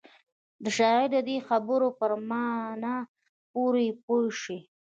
د شاعر د دې خبرو پر مانا به پوره پوه شئ.